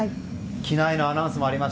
機内のアナウンスもあります。